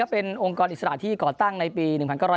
เป็นองค์กรอิสระที่ก่อตั้งในปี๑๙